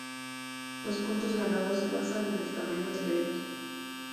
Los puntos ganados se basan en el tamaño del evento.